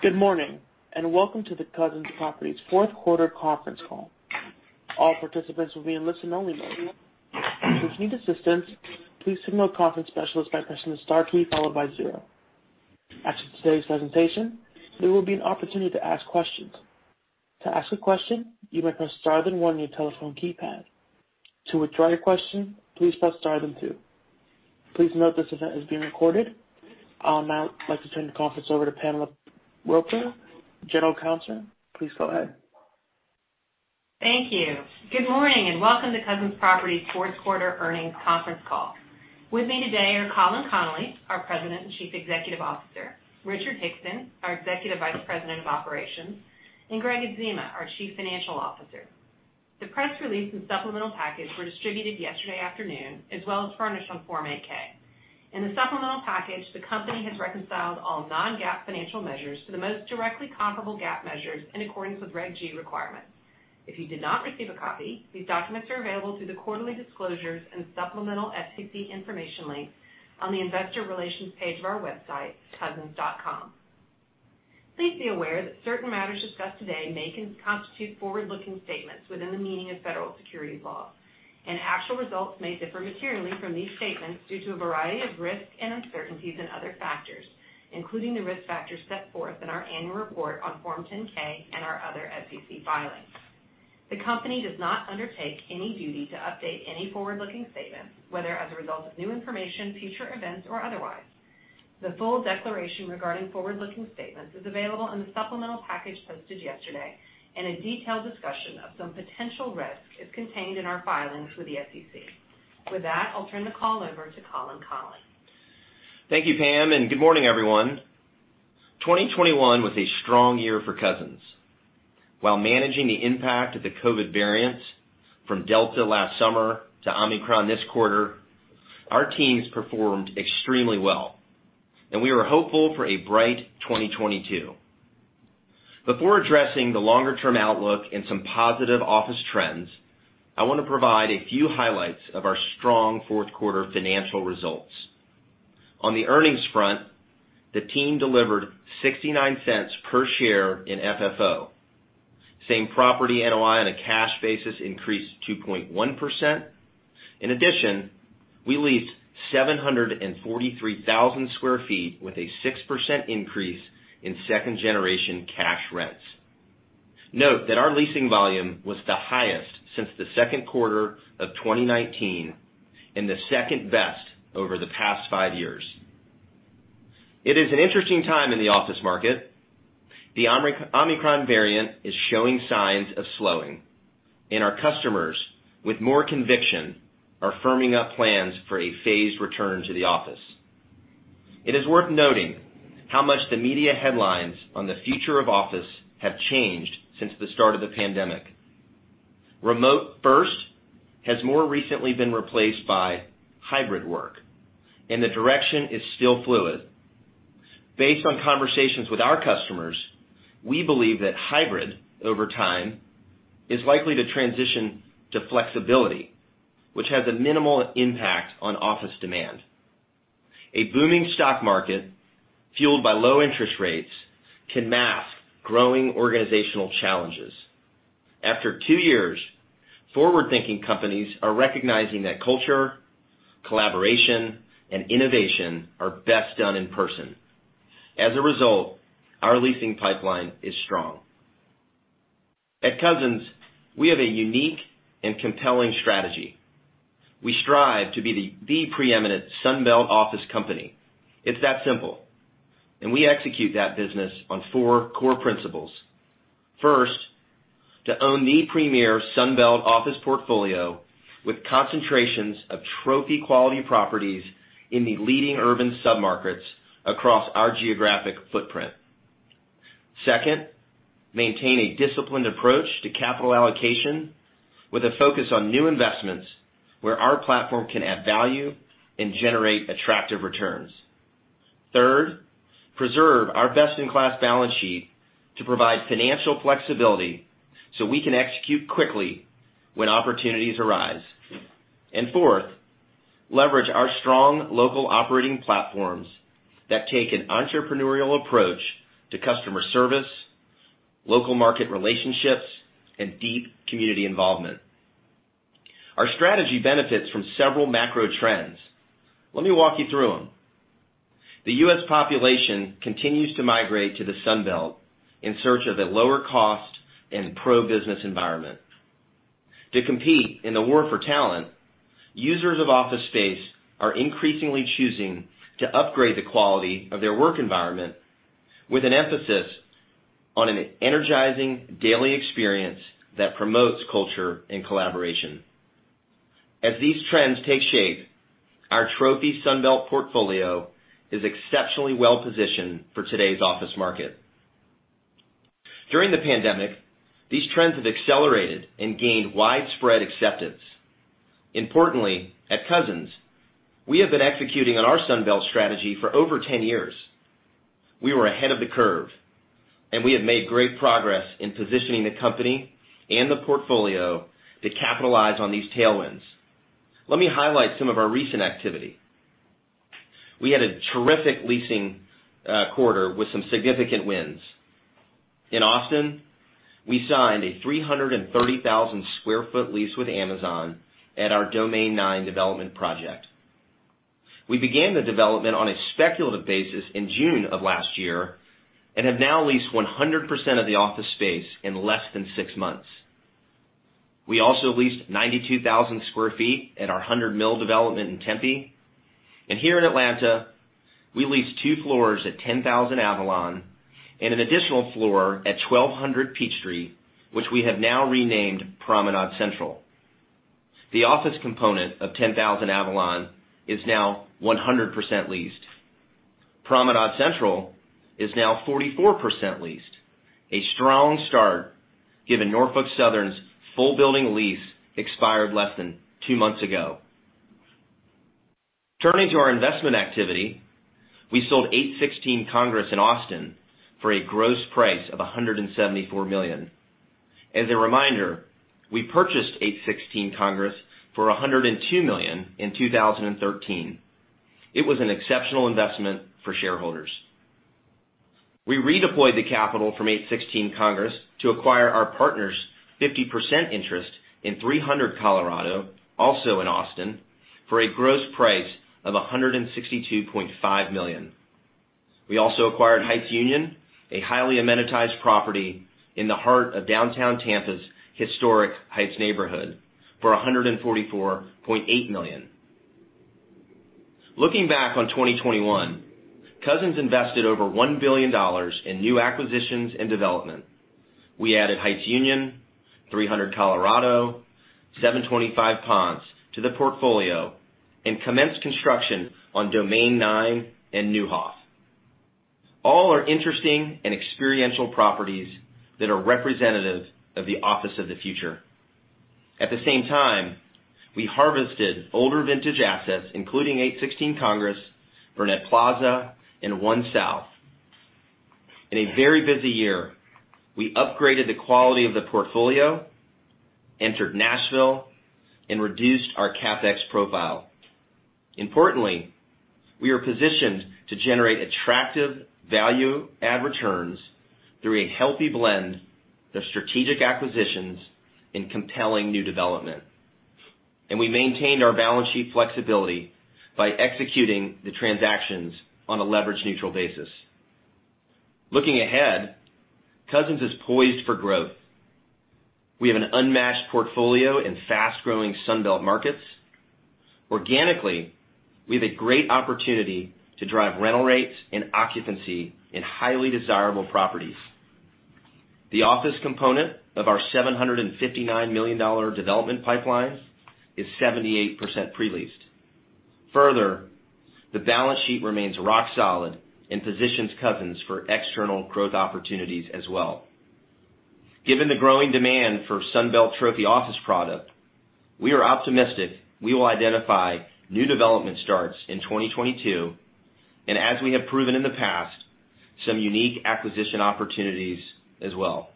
Good morning, and welcome to the Cousins Properties fourth quarter conference call. All participants will be in listen only mode. If you need assistance, please signal a conference specialist by pressing star three followed by zero. After today's presentation, there will be an opportunity to ask questions. To ask a question, you may press star then one on your telephone keypad. To withdraw your question, please press star then two. Please note this event is being recorded. I would now like to turn the conference over to Pamela Roper, General Counsel. Please go ahead. Thank you. Good morning, and welcome to Cousins Properties fourth quarter earnings conference call. With me today are Colin Connolly, our President and Chief Executive Officer, Richard Hickson, our Executive Vice President of Operations, and Gregg Adzema, our Chief Financial Officer. The press release and supplemental package were distributed yesterday afternoon as well as furnished on Form 8-K. In the supplemental package, the company has reconciled all non-GAAP financial measures to the most directly comparable GAAP measures in accordance with Reg. G requirements. If you did not receive a copy, these documents are available through the quarterly disclosures and supplemental SEC information link on the investor relations page of our website, cousins.com. Please be aware that certain matters discussed today may constitute forward-looking statements within the meaning of federal securities laws, and actual results may differ materially from these statements due to a variety of risks and uncertainties and other factors, including the risk factors set forth in our annual report on Form 10-K and our other SEC filings. The company does not undertake any duty to update any forward-looking statements, whether as a result of new information, future events, or otherwise. The full declaration regarding forward-looking statements is available in the supplemental package posted yesterday, and a detailed discussion of some potential risks is contained in our filings with the SEC. With that, I'll turn the call over to Colin Connolly. Thank you, Pam, and good morning, everyone. 2021 was a strong year for Cousins. While managing the impact of the COVID variants from Delta last summer to Omicron this quarter, our teams performed extremely well, and we are hopeful for a bright 2022. Before addressing the longer term outlook and some positive office trends, I wanna provide a few highlights of our strong fourth quarter financial results. On the earnings front, the team delivered $0.69 per share in FFO. Same property NOI on a cash basis increased 2.1%. In addition, we leased 743,000 sq ft with a 6% increase in second generation cash rents. Note that our leasing volume was the highest since the second quarter of 2019, and the second best over the past five years. It is an interesting time in the office market. The Omicron variant is showing signs of slowing, and our customers, with more conviction, are firming up plans for a phased return to the office. It is worth noting how much the media headlines on the future of office have changed since the start of the pandemic. Remote first has more recently been replaced by hybrid work, and the direction is still fluid. Based on conversations with our customers, we believe that hybrid, over time, is likely to transition to flexibility, which has a minimal impact on office demand. A booming stock market fueled by low interest rates can mask growing organizational challenges. After two years, forward-thinking companies are recognizing that culture, collaboration, and innovation are best done in person. As a result, our leasing pipeline is strong. At Cousins, we have a unique and compelling strategy. We strive to be the preeminent Sun Belt office company. It's that simple. We execute that business on four core principles. First, to own the premier Sun Belt office portfolio with concentrations of trophy quality properties in the leading urban submarkets across our geographic footprint. Second, maintain a disciplined approach to capital allocation with a focus on new investments where our platform can add value and generate attractive returns. Third, preserve our best in class balance sheet to provide financial flexibility so we can execute quickly when opportunities arise. Fourth, leverage our strong local operating platforms that take an entrepreneurial approach to customer service, local market relationships, and deep community involvement. Our strategy benefits from several macro trends. Let me walk you through them. The U.S. population continues to migrate to the Sun Belt in search of a lower cost and pro-business environment. To compete in the war for talent, users of office space are increasingly choosing to upgrade the quality of their work environment with an emphasis on an energizing daily experience that promotes culture and collaboration. As these trends take shape, our trophy Sun Belt portfolio is exceptionally well positioned for today's office market. During the pandemic, these trends have accelerated and gained widespread acceptance. Importantly, at Cousins, we have been executing on our Sun Belt strategy for over 10 years. We were ahead of the curve, and we have made great progress in positioning the company and the portfolio to capitalize on these tailwinds. Let me highlight some of our recent activity. We had a terrific leasing quarter with some significant wins. In Austin, we signed a 330,000 sq ft lease with Amazon at our Domain Nine development project. We began the development on a speculative basis in June of last year and have now leased 100% of the office space in less than six months. We also leased 92,000 sq ft at our Hundred Mill development in Tempe. Here in Atlanta, we leased two floors at 10,000 Avalon and an additional floor at 1,200 Peachtree, which we have now renamed Promenade Central. The office component of 10,000 Avalon is now 100% leased. Promenade Central is now 44% leased, a strong start given Norfolk Southern's full building lease expired less than two months ago. Turning to our investment activity, we sold 816 Congress in Austin for a gross price of $174 million. As a reminder, we purchased 816 Congress for $102 million in 2013. It was an exceptional investment for shareholders. We redeployed the capital from 816 Congress to acquire our partner's 50% interest in 300 Colorado, also in Austin, for a gross price of $162.5 million. We also acquired Heights Union, a highly amenitized property in the heart of downtown Tampa's historic Heights neighborhood for $144.8 million. Looking back on 2021, Cousins invested over $1 billion in new acquisitions and development. We added Heights Union, 300 Colorado, 725 Ponce to the portfolio, and commenced construction on Domain Nine and Neuhoff. All are interesting and experiential properties that are representative of the office of the future. At the same time, we harvested older vintage assets, including 816 Congress, Burnett Plaza, and One South. In a very busy year, we upgraded the quality of the portfolio, entered Nashville, and reduced our CapEx profile. Importantly, we are positioned to generate attractive value, add returns through a healthy blend of strategic acquisitions and compelling new development. We maintained our balance sheet flexibility by executing the transactions on a leverage neutral basis. Looking ahead, Cousins is poised for growth. We have an unmatched portfolio in fast-growing Sunbelt markets. Organically, we have a great opportunity to drive rental rates and occupancy in highly desirable properties. The office component of our $759 million development pipeline is 78% pre-leased. Further, the balance sheet remains rock solid and positions Cousins for external growth opportunities as well. Given the growing demand for Sun Belt trophy office product, we are optimistic we will identify new development starts in 2022, and as we have proven in the past, some unique acquisition opportunities as well.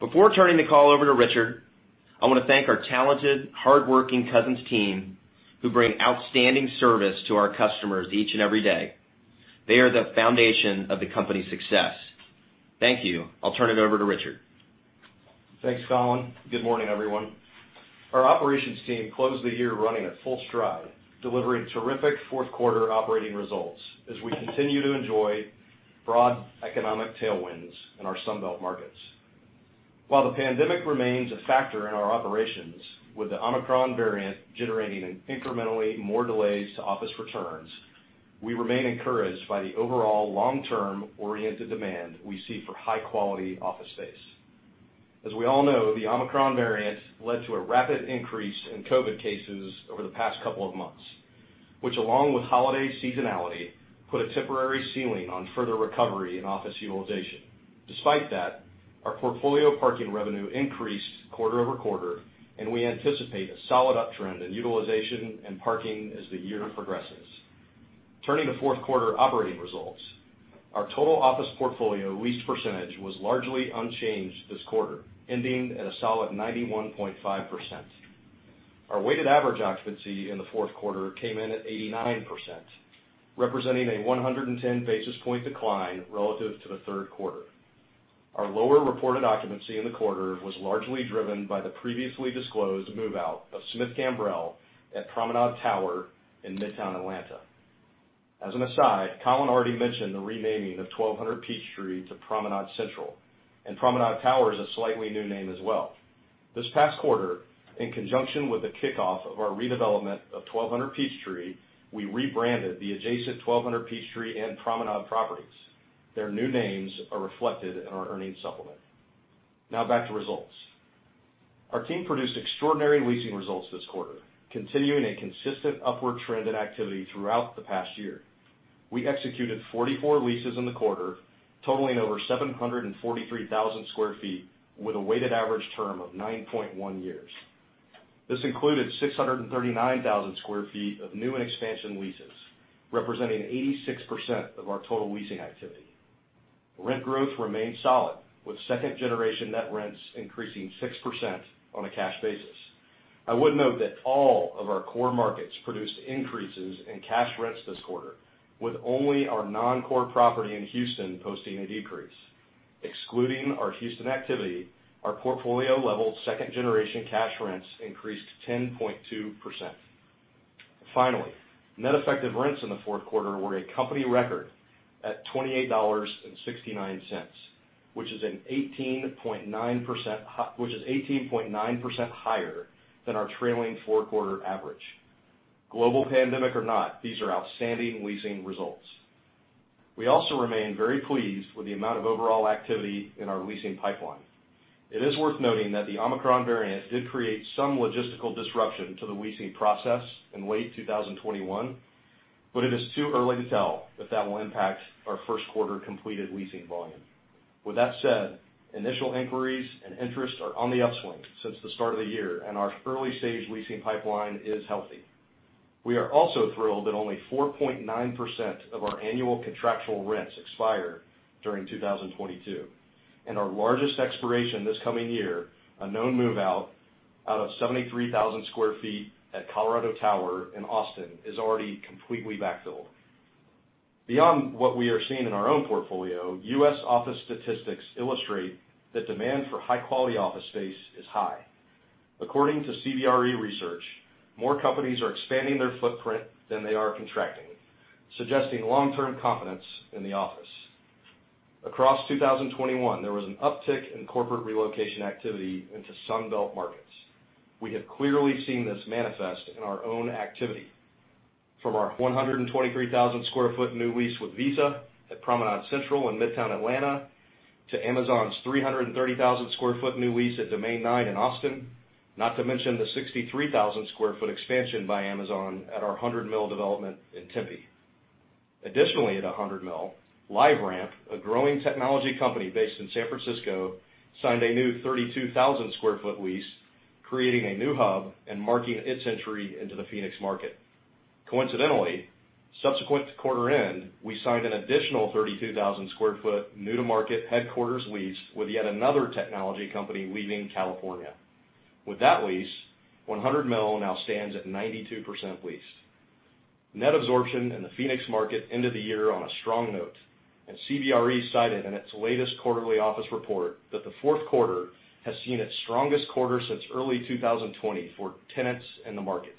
Before turning the call over to Richard, I wanna thank our talented, hardworking Cousins team who bring outstanding service to our customers each and every day. They are the foundation of the company's success. Thank you. I'll turn it over to Richard. Thanks, Colin. Good morning, everyone. Our operations team closed the year running at full stride, delivering terrific fourth quarter operating results as we continue to enjoy broad economic tailwinds in our Sunbelt markets. While the pandemic remains a factor in our operations, with the Omicron variant generating incrementally more delays to office returns, we remain encouraged by the overall long-term oriented demand we see for high-quality office space. As we all know, the Omicron variant led to a rapid increase in COVID cases over the past couple of months, which along with holiday seasonality, put a temporary ceiling on further recovery in office utilization. Despite that, our portfolio parking revenue increased quarter-over-quarter, and we anticipate a solid uptrend in utilization and parking as the year progresses. Turning to fourth quarter operating results, our total office portfolio leased percentage was largely unchanged this quarter, ending at a solid 91.5%. Our weighted average occupancy in the fourth quarter came in at 89%, representing a 110 basis point decline relative to the third quarter. Our lower reported occupancy in the quarter was largely driven by the previously disclosed move-out of Smith, Gambrell & Russell at Promenade Tower in Midtown Atlanta. As an aside, Colin already mentioned the renaming of 1200 Peachtree to Promenade Central, and Promenade Tower is a slightly new name as well. This past quarter, in conjunction with the kickoff of our redevelopment of 1200 Peachtree, we rebranded the adjacent 1200 Peachtree and Promenade properties. Their new names are reflected in our earnings supplement. Now, back to results. Our team produced extraordinary leasing results this quarter, continuing a consistent upward trend and activity throughout the past year. We executed 44 leases in the quarter, totaling over 743,000 sq ft with a weighted average term of 9.1 years. This included 639,000 sq ft of new and expansion leases, representing 86% of our total leasing activity. Rent growth remained solid, with second-generation net rents increasing 6% on a cash basis. I would note that all of our core markets produced increases in cash rents this quarter, with only our non-core property in Houston posting a decrease. Excluding our Houston activity, our portfolio level second generation cash rents increased 10.2%. Finally, net effective rents in the fourth quarter were a company record at $28.69, which is 18.9% higher than our trailing four-quarter average. Global pandemic or not, these are outstanding leasing results. We also remain very pleased with the amount of overall activity in our leasing pipeline. It is worth noting that the Omicron variant did create some logistical disruption to the leasing process in late 2021, but it is too early to tell if that will impact our first quarter completed leasing volume. With that said, initial inquiries and interest are on the upswing since the start of the year, and our early-stage leasing pipeline is healthy. We are also thrilled that only 4.9% of our annual contractual rents expire during 2022, and our largest expiration this coming year, a known move out of 73,000 sq ft at Colorado Tower in Austin, is already completely backfilled. Beyond what we are seeing in our own portfolio, U.S. office statistics illustrate that demand for high-quality office space is high. According to CBRE Research, more companies are expanding their footprint than they are contracting, suggesting long-term confidence in the office. Across 2021, there was an uptick in corporate relocation activity into Sun Belt markets. We have clearly seen this manifest in our own activity, from our 123,000 sq ft new lease with Visa at Promenade Central in Midtown Atlanta to Amazon's 330,000 sq ft new lease at Domain Nine in Austin, not to mention the 63,000 sq ft expansion by Amazon at our Hundred Mill development in Tempe. Additionally, at Hundred Mill, LiveRamp, a growing technology company based in San Francisco, signed a new 32,000 sq ft lease, creating a new hub and marking its entry into the Phoenix market. Coincidentally, subsequent to quarter end, we signed an additional 32,000 sq ft new to market headquarters lease with yet another technology company leaving California. With that lease, Hundred Mill now stands at 92% leased. Net absorption in the Phoenix market ended the year on a strong note, and CBRE cited in its latest quarterly office report that the fourth quarter has seen its strongest quarter since early 2020 for tenants in the market.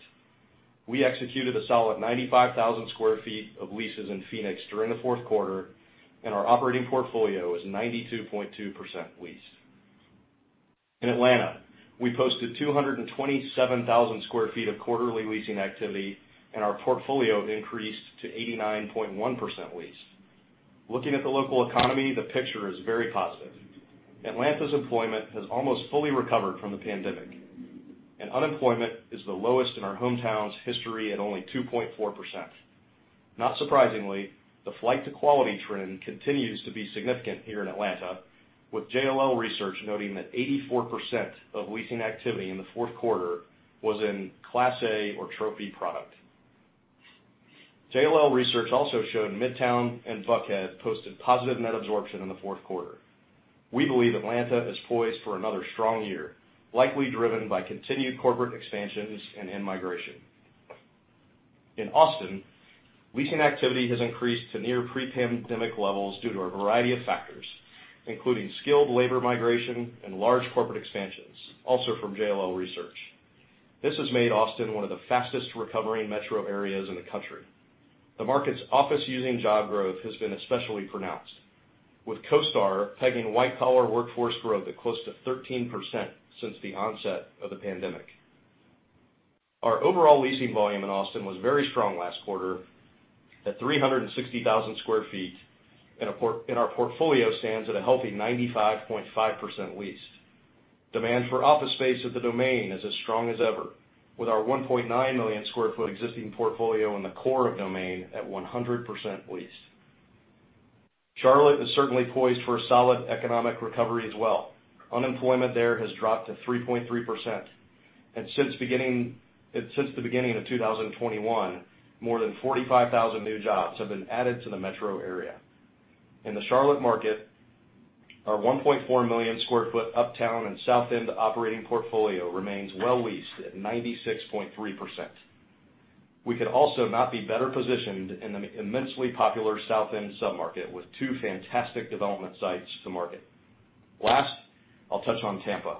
We executed a solid 95,000 sq ft of leases in Phoenix during the fourth quarter, and our operating portfolio is 92.2% leased. In Atlanta, we posted 227,000 sq ft of quarterly leasing activity, and our portfolio increased to 89.1% leased. Looking at the local economy, the picture is very positive. Atlanta's employment has almost fully recovered from the pandemic, and unemployment is the lowest in our hometown's history at only 2.4%. Not surprisingly, the flight to quality trend continues to be significant here in Atlanta, with JLL Research noting that 84% of leasing activity in the fourth quarter was in Class A or trophy product. JLL Research also showed Midtown and Buckhead posted positive net absorption in the fourth quarter. We believe Atlanta is poised for another strong year, likely driven by continued corporate expansions and in-migration. In Austin, leasing activity has increased to near pre-pandemic levels due to a variety of factors, including skilled labor migration and large corporate expansions, also from JLL Research. This has made Austin one of the fastest recovering metro areas in the country. The market's office using job growth has been especially pronounced, with CoStar pegging white-collar workforce growth at close to 13% since the onset of the pandemic. Our overall leasing volume in Austin was very strong last quarter at 360,000 sq ft, and our portfolio stands at a healthy 95.5% leased. Demand for office space at The Domain is as strong as ever, with our 1.9 million sq ft existing portfolio in the core of Domain at 100% leased. Charlotte is certainly poised for a solid economic recovery as well. Unemployment there has dropped to 3.3%, and since the beginning of 2021, more than 45,000 new jobs have been added to the metro area. In the Charlotte market, our 1.4 million sq ft Uptown and South End operating portfolio remains well leased at 96.3%. We could also not be better positioned in the immensely popular South End submarket with two fantastic development sites to market. Last, I'll touch on Tampa.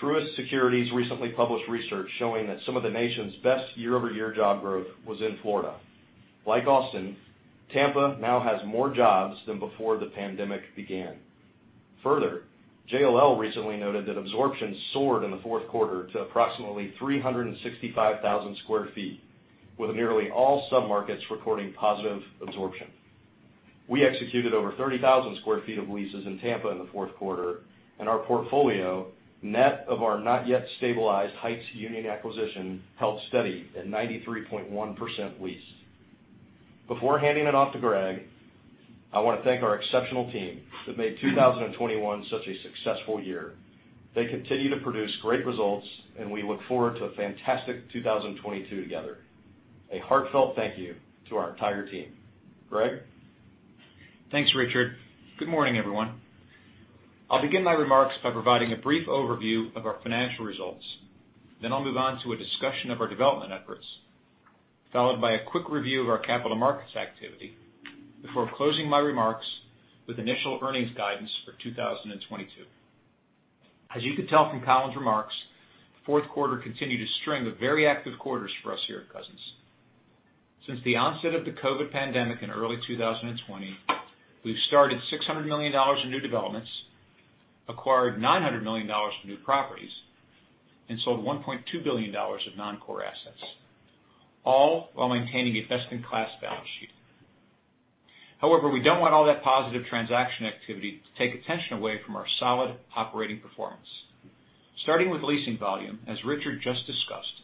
Truist Securities recently published research showing that some of the nation's best year-over-year job growth was in Florida. Like Austin, Tampa now has more jobs than before the pandemic began. Further, JLL recently noted that absorption soared in the fourth quarter to approximately 365,000 sq ft, with nearly all submarkets recording positive absorption. We executed over 30,000 sq ft of leases in Tampa in the fourth quarter, and our portfolio, net of our not yet stabilized Heights Union acquisition, held steady at 93.1% leased. Before handing it off to Gregg, I want to thank our exceptional team that made 2021 such a successful year. They continue to produce great results, and we look forward to a fantastic 2022 together. A heartfelt thank you to our entire team. Greg? Thanks, Richard. Good morning, everyone. I'll begin my remarks by providing a brief overview of our financial results. Then I'll move on to a discussion of our development efforts, followed by a quick review of our capital markets activity before closing my remarks with initial earnings guidance for 2022. As you can tell from Colin's remarks, fourth quarter continued a string of very active quarters for us here at Cousins. Since the onset of the COVID pandemic in early 2020, we've started $600 million in new developments, acquired $900 million for new properties, and sold $1.2 billion of non-core assets, all while maintaining a best-in-class balance sheet. However, we don't want all that positive transaction activity to take attention away from our solid operating performance. Starting with leasing volume, as Richard just discussed,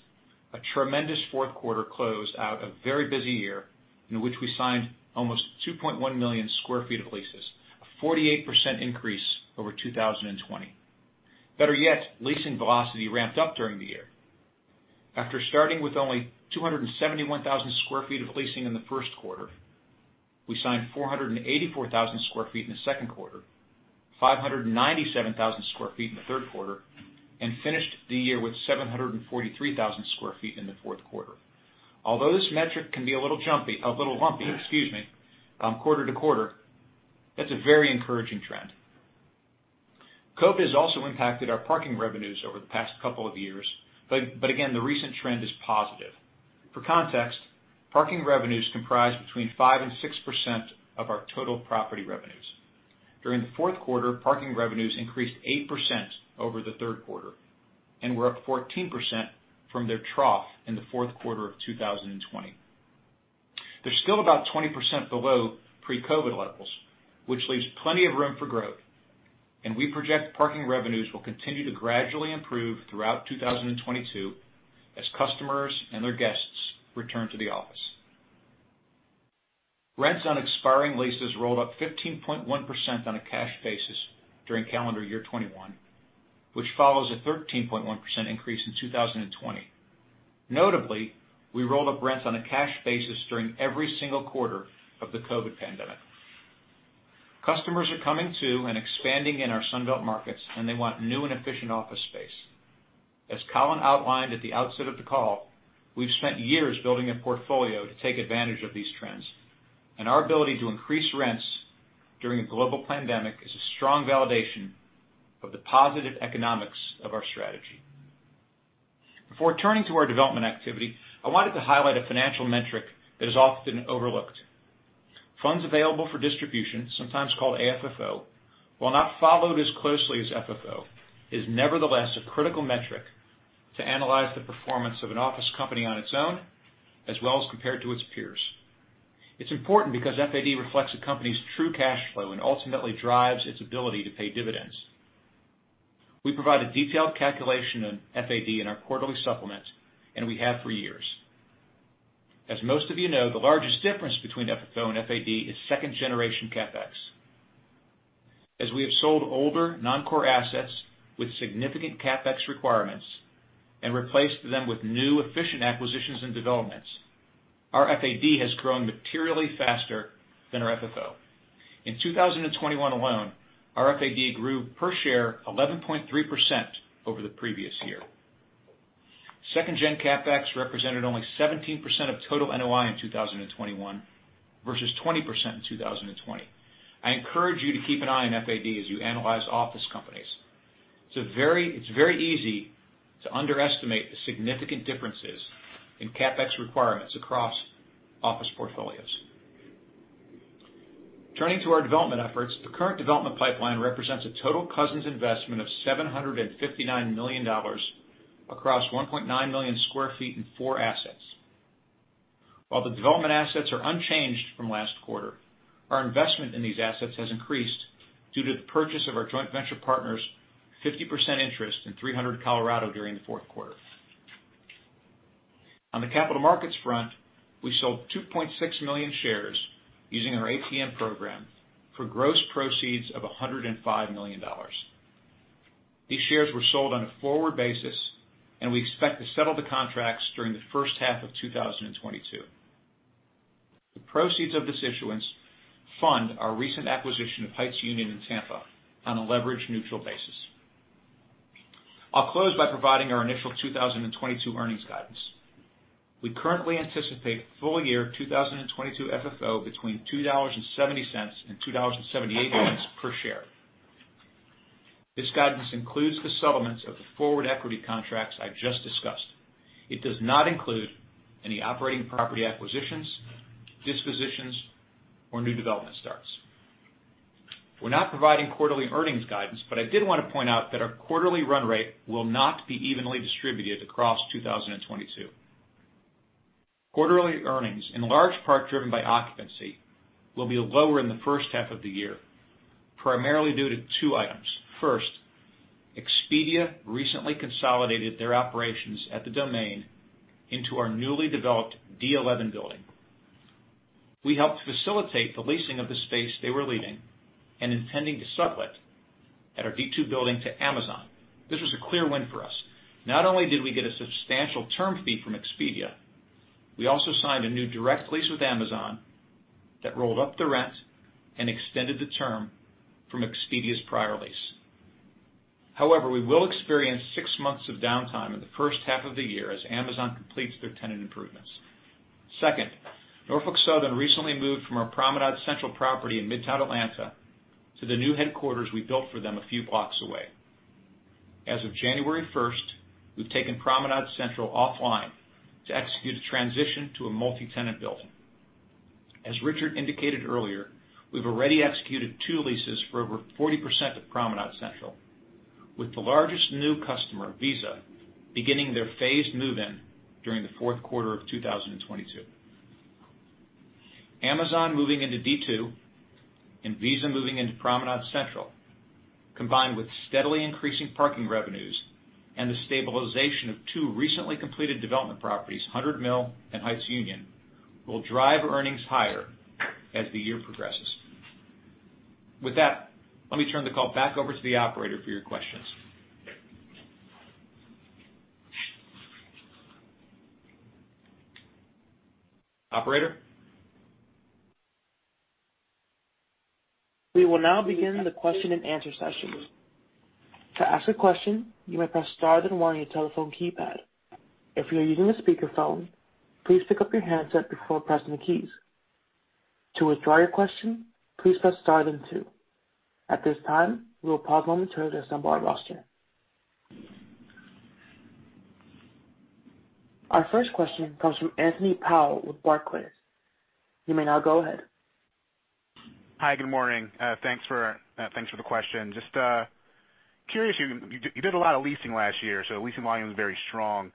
a tremendous fourth quarter closed out a very busy year in which we signed almost 2.1 million sq ft of leases, a 48% increase over 2020. Better yet, leasing velocity ramped up during the year. After starting with only 271,000 sq ft of leasing in the first quarter, we signed 484,000 sq ft in the second quarter, 597,000 sq ft in the third quarter, and finished the year with 743,000 sq ft in the fourth quarter. Although this metric can be a little lumpy, excuse me, quarter-to-quarter, that's a very encouraging trend. COVID has also impacted our parking revenues over the past couple of years, but again, the recent trend is positive. For context, parking revenues comprise between 5% and 6% of our total property revenues. During the fourth quarter, parking revenues increased 8% over the third quarter and were up 14% from their trough in the fourth quarter of 2020. They're still about 20% below pre-COVID levels, which leaves plenty of room for growth. We project parking revenues will continue to gradually improve throughout 2022 as customers and their guests return to the office. Rents on expiring leases rolled up 15.1% on a cash basis during calendar year 2021, which follows a 13.1% increase in 2020. Notably, we rolled up rents on a cash basis during every single quarter of the COVID pandemic. Customers are coming to and expanding in our Sun Belt markets, and they want new and efficient office space. Colin Connolly outlined at the outset of the call, we've spent years building a portfolio to take advantage of these trends, and our ability to increase rents during a global pandemic is a strong validation of the positive economics of our strategy. Before turning to our development activity, I wanted to highlight a financial metric that is often overlooked. Funds available for distribution, sometimes called AFFO, while not followed as closely as FFO, is nevertheless a critical metric to analyze the performance of an office company on its own as well as compared to its peers. It's important because FAD reflects a company's true cash flow and ultimately drives its ability to pay dividends. We provide a detailed calculation on FAD in our quarterly supplement, and we have for years. As most of you know, the largest difference between FFO and FAD is second generation CapEx. As we have sold older non-core assets with significant CapEx requirements and replaced them with new efficient acquisitions and developments, our FAD has grown materially faster than our FFO. In 2021 alone, our FAD grew per share 11.3% over the previous year. Second gen CapEx represented only 17% of total NOI in 2021 versus 20% in 2020. I encourage you to keep an eye on FAD as you analyze office companies. It's very easy to underestimate the significant differences in CapEx requirements across office portfolios. Turning to our development efforts, the current development pipeline represents a total Cousins investment of $759 million across 1.9 million sq ft in four assets. While the development assets are unchanged from last quarter, our investment in these assets has increased due to the purchase of our joint venture partners' 50% interest in 300 Colorado during the fourth quarter. On the capital markets front, we sold 2.6 million shares using our ATM program for gross proceeds of $105 million. These shares were sold on a forward basis, and we expect to settle the contracts during the first half of 2022. The proceeds of this issuance fund our recent acquisition of Heights Union in Tampa on a leverage neutral basis. I'll close by providing our initial 2022 earnings guidance. We currently anticipate full-year 2022 FFO between $2.70 and $2.78 per share. This guidance includes the settlements of the forward equity contracts I just discussed. It does not include any operating property acquisitions, dispositions, or new development starts. We're not providing quarterly earnings guidance, but I did wanna point out that our quarterly run rate will not be evenly distributed across 2022. Quarterly earnings, in large part driven by occupancy, will be lower in the first half of the year, primarily due to two items. First, Expedia recently consolidated their operations at the Domain into our newly developed D11 building. We helped facilitate the leasing of the space they were leaving and intending to sublet at our D2 building to Amazon. This was a clear win for us. Not only did we get a substantial term fee from Expedia, we also signed a new direct lease with Amazon that rolled up the rent and extended the term from Expedia's prior lease. However, we will experience six months of downtime in the first half of the year as Amazon completes their tenant improvements. Second, Norfolk Southern recently moved from our Promenade Central property in Midtown Atlanta to the new headquarters we built for them a few blocks away. As of January first, we've taken Promenade Central offline to execute a transition to a multi-tenant building. As Richard indicated earlier, we've already executed two leases for over 40% of Promenade Central, with the largest new customer, Visa, beginning their phased move-in during the fourth quarter of 2022. Amazon moving into D2 and Visa moving into Promenade Central, combined with steadily increasing parking revenues and the stabilization of two recently completed development properties, Hundred Mill and Heights Union, will drive earnings higher as the year progresses. With that, let me turn the call back over to the operator for your questions. Operator? We will now begin the question and answer session. To ask a question, you may press star then one on your telephone keypad. If you're using a speakerphone, please pick up your handset before pressing the keys. To withdraw your question, please press star then two. At this time, we will pause to assemble our roster. Our first question comes from Anthony Powell with Barclays. You may now go ahead. Hi, good morning. Thanks for the question. Just curious, you did a lot of leasing last year, so leasing volume is very strong.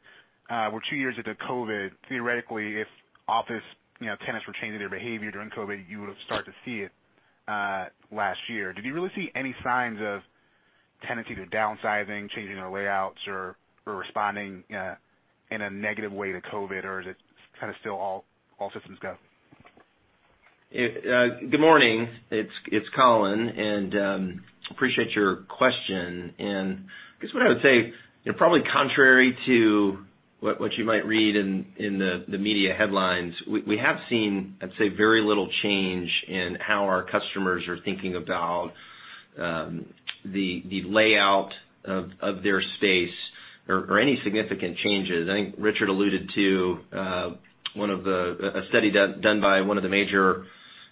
We're two years into COVID. Theoretically, if office, you know, tenants were changing their behavior during COVID, you would've started to see it last year. Did you really see any signs of tenants to downsizing, changing their layouts or responding in a negative way to COVID? Or is it kind of still all systems go? Good morning. It's Colin, and I appreciate your question. I guess what I would say, you know, probably contrary to what you might read in the media headlines, we have seen, I'd say, very little change in how our customers are thinking about the layout of their space or any significant changes. I think Richard alluded to one of the studies done by one of the major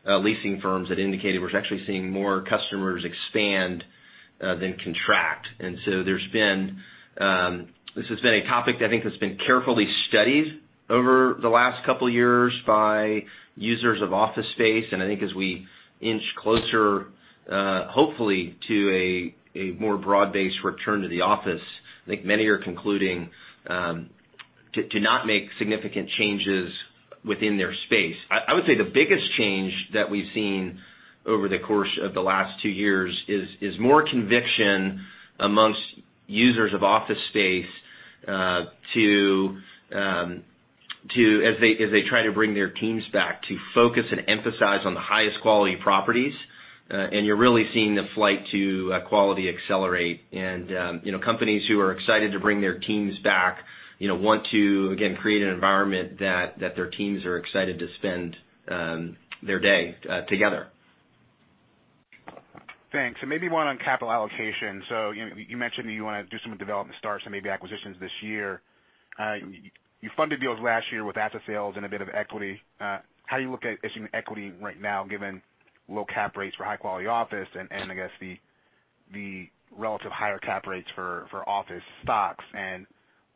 leasing firms that indicated we're actually seeing more customers expand than contract. This has been a topic that I think has been carefully studied over the last couple of years by users of office space. I think as we inch closer, hopefully to a more broad-based return to the office, I think many are concluding to not make significant changes within their space. I would say the biggest change that we've seen over the course of the last two years is more conviction amongst users of office space to as they try to bring their teams back, to focus and emphasize on the highest quality properties. You're really seeing the flight to quality accelerate. You know, companies who are excited to bring their teams back, you know, want to again create an environment that their teams are excited to spend their day together. Thanks. Maybe one on capital allocation. You mentioned that you wanna do some development starts and maybe acquisitions this year. You funded deals last year with asset sales and a bit of equity. How do you look at issuing equity right now, given low cap rates for high quality office and I guess the relative higher cap rates for office stocks?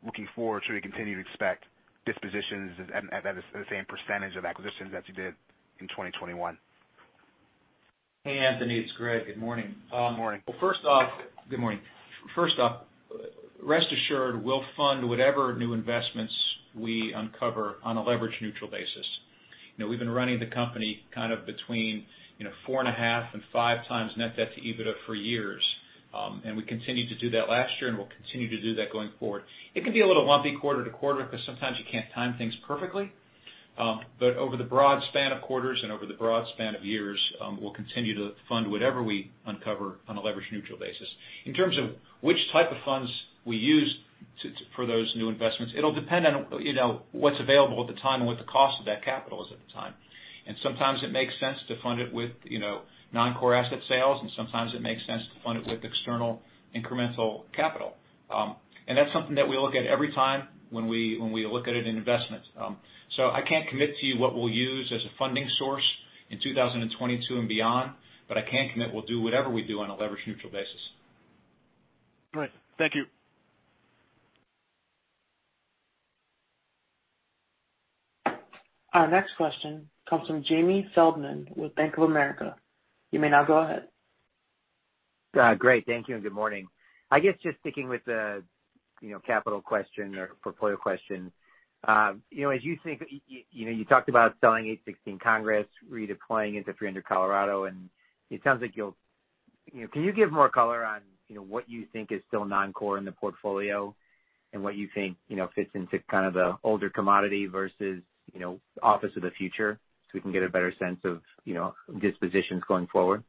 Looking forward, should we continue to expect dispositions at the same percentage of acquisitions as you did in 2021? Hey, Anthony, it's Greg. Good morning. Good morning. Good morning. Rest assured, we'll fund whatever new investments we uncover on a leverage neutral basis. You know, we've been running the company kind of between 4.5 and 5x net debt to EBITDA for years. And we continued to do that last year, and we'll continue to do that going forward. It can be a little lumpy quarter to quarter because sometimes you can't time things perfectly. But over the broad span of quarters and over the broad span of years, we'll continue to fund whatever we uncover on a leverage neutral basis. In terms of which type of funds we use for those new investments, it'll depend on what's available at the time and what the cost of that capital is at the time. Sometimes it makes sense to fund it with, you know, non-core asset sales, and sometimes it makes sense to fund it with external incremental capital. That's something that we look at every time when we look at an investment. I can't commit to you what we'll use as a funding source in 2022 and beyond, but I can commit we'll do whatever we do on a leverage neutral basis. Great. Thank you. Our next question comes from Jamie Feldman with Bank of America. You may now go ahead. Great. Thank you and good morning. I guess just sticking with the, you know, capital question or portfolio question. You know, as you think, you know, you talked about selling 816 Congress, redeploying into 300 Colorado, and it sounds like you know, can you give more color on, you know, what you think is still non-core in the portfolio and what you think, you know, fits into kind of the older commodity versus, you know, office of the future so we can get a better sense of, you know, dispositions going forward?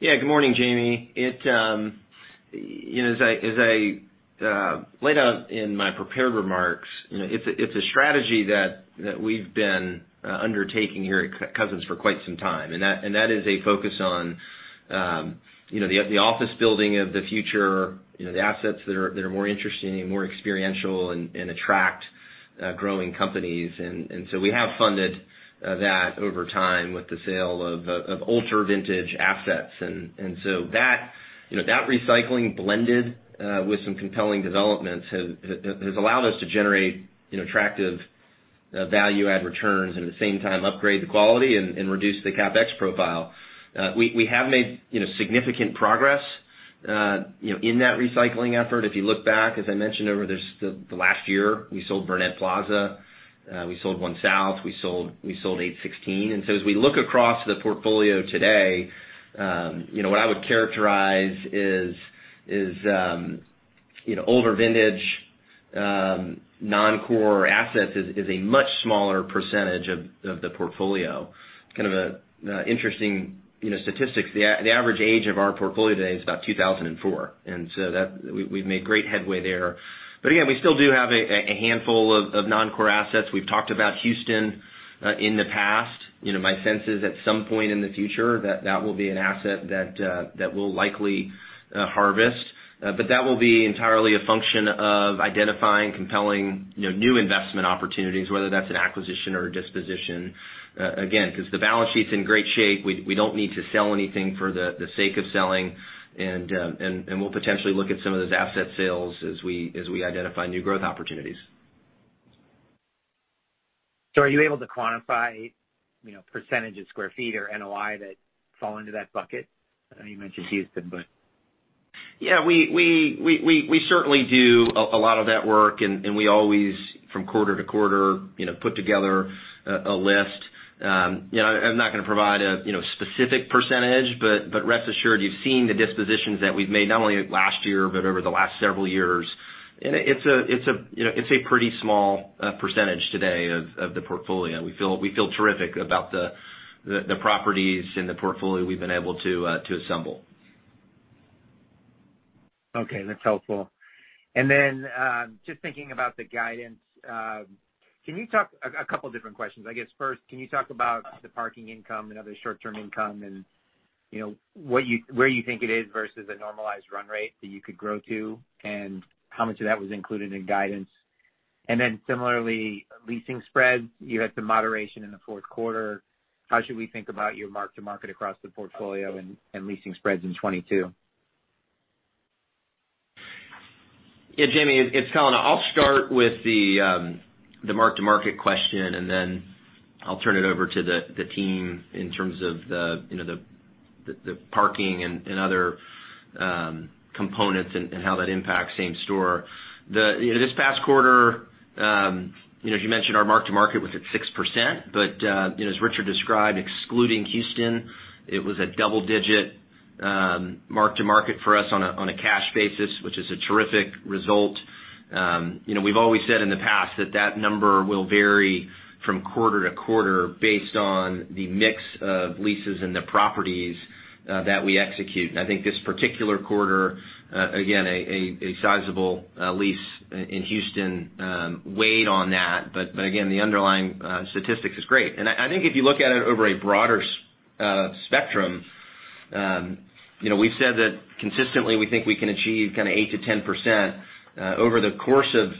Yeah. Good morning, Jamie. You know, as I laid out in my prepared remarks, you know, it's a strategy that we've been undertaking here at Cousins for quite some time, and that is a focus on, you know, the office building of the future, you know, the assets that are more interesting and more experiential and attract growing companies. We have funded that over time with the sale of older vintage assets. That you know, that recycling blended with some compelling developments has allowed us to generate, you know, attractive value add returns, and at the same time upgrade the quality and reduce the CapEx profile. We have made you know significant progress you know in that recycling effort. If you look back, as I mentioned over the last year, we sold Burnett Plaza, we sold One South, we sold 816. As we look across the portfolio today, you know, what I would characterize is older vintage non-core assets is a much smaller percentage of the portfolio. Kind of a interesting you know statistics. The average age of our portfolio today is about 2004. We've made great headway there. Again, we still do have a handful of non-core assets. We've talked about Houston in the past. You know, my sense is at some point in the future that will be an asset that we'll likely harvest. That will be entirely a function of identifying compelling, you know, new investment opportunities, whether that's an acquisition or a disposition, again, 'cause the balance sheet's in great shape. We don't need to sell anything for the sake of selling, and we'll potentially look at some of those asset sales as we identify new growth opportunities. Are you able to quantify, you know, percentage of square feet or NOI that fall into that bucket? I know you mentioned Houston, but. Yeah. We certainly do a lot of that work, and we always from quarter to quarter, you know, put together a list. You know, I'm not gonna provide a you know, specific percentage, but rest assured you've seen the dispositions that we've made not only last year but over the last several years. It's a pretty small percentage today of the portfolio. We feel terrific about the properties in the portfolio we've been able to assemble. Okay, that's helpful. Just thinking about the guidance, can you talk about a couple different questions? I guess first, can you talk about the parking income and other short-term income and, you know, where you think it is versus a normalized run rate that you could grow to, and how much of that was included in guidance? Then similarly, leasing spreads. You had some moderation in the fourth quarter. How should we think about your mark to market across the portfolio and leasing spreads in 2022? Yeah, Jamie, it's Colin. I'll start with the mark to market question, and then I'll turn it over to the team in terms of you know, the parking and other components and how that impacts same store. You know, this past quarter, you know, as you mentioned, our mark to market was at 6%. You know, as Richard described, excluding Houston, it was a double-digit mark to market for us on a cash basis, which is a terrific result. You know, we've always said in the past that that number will vary from quarter to quarter based on the mix of leases and the properties that we execute. I think this particular quarter, again, a sizable lease in Houston weighed on that. Again, the underlying statistics is great. I think if you look at it over a broader spectrum, you know, we've said that consistently we think we can achieve kinda 8%-10%. Over the course of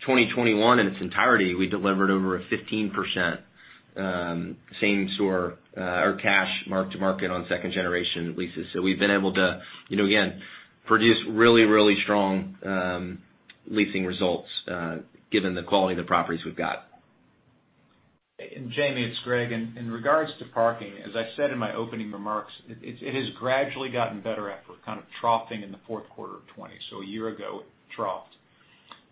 2021 in its entirety, we delivered over a 15% same store or cash mark to market on second generation leases. We've been able to, you know, again, produce really strong leasing results, given the quality of the properties we've got. Jamie, it's Greg. In regards to parking, as I said in my opening remarks, it has gradually gotten better after kind of troughing in the fourth quarter of 2020. A year ago it troughed.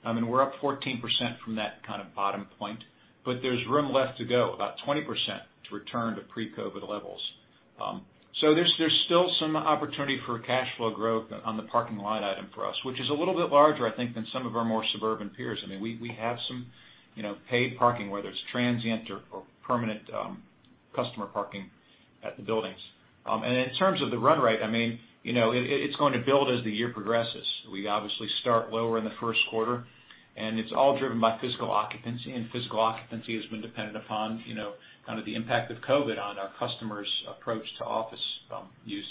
We're up 14% from that kind of bottom point, but there's room left to go, about 20% to return to pre-COVID levels. There's still some opportunity for cash flow growth on the parking lot item for us, which is a little bit larger, I think, than some of our more suburban peers. I mean, we have some, you know, paid parking, whether it's transient or permanent, customer parking at the buildings. In terms of the run rate, I mean, you know, it's going to build as the year progresses. We obviously start lower in the first quarter, and it's all driven by physical occupancy, and physical occupancy has been dependent upon, you know, kind of the impact of COVID on our customers' approach to office use.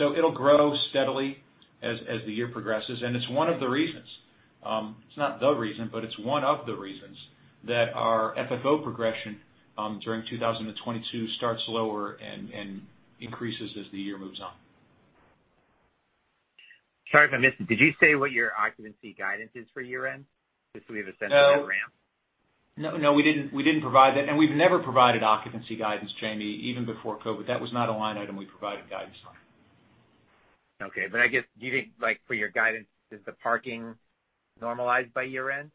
It'll grow steadily as the year progresses, and it's one of the reasons, it's not the reason, but it's one of the reasons that our FFO progression during 2022 starts lower and increases as the year moves on. Sorry if I missed it. Did you say what your occupancy guidance is for year-end, just so we have a sense of that ramp? No, we didn't provide that, and we've never provided occupancy guidance, Jamie, even before COVID. That was not a line item we provided guidance on. Okay. I guess, do you think, like, for your guidance, is the parking normalized by year-end?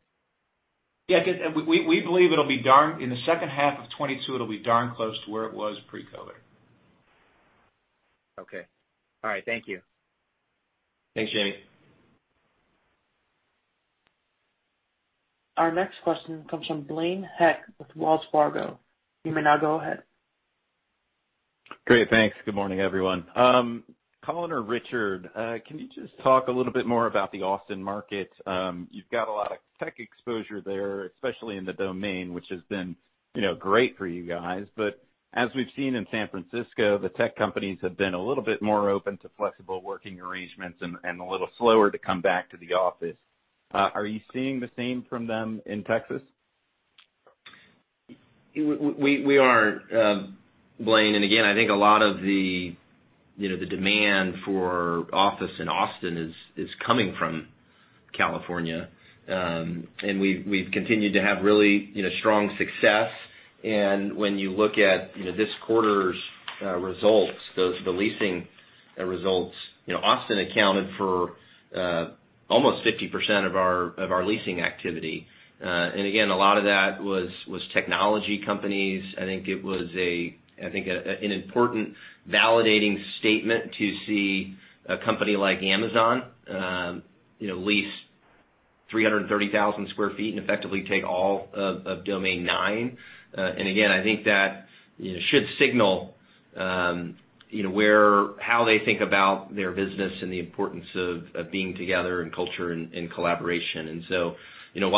Yeah, I guess we believe it'll be darn close in the second half of 2022 to where it was pre-COVID. Okay. All right. Thank you. Thanks, Jamie. Our next question comes from Blaine Heck with Wells Fargo. You may now go ahead. Great, thanks. Good morning, everyone. Colin or Richard, can you just talk a little bit more about the Austin market? You've got a lot of tech exposure there, especially in The Domain, which has been, you know, great for you guys. As we've seen in San Francisco, the tech companies have been a little bit more open to flexible working arrangements and a little slower to come back to the office. Are you seeing the same from them in Texas? We are, Blaine. Again, I think a lot of the, you know, the demand for office in Austin is coming from California. We've continued to have really, you know, strong success. When you look at, you know, this quarter's results, the leasing results, you know, Austin accounted for almost 50% of our leasing activity. Again, a lot of that was technology companies. I think it was an important validating statement to see a company like Amazon, you know, lease 330,000 sq ft and effectively take all of Domain nine. I think that you know should signal how they think about their business and the importance of being together and culture and collaboration. You know,